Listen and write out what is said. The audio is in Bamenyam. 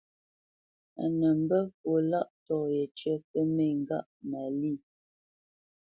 A nə́ mbə́ fwo lâʼtɔ̂ yécyə pə́ mê ngâʼ Malî.